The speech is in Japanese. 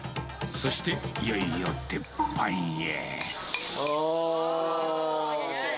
そしていよいよ鉄板へ。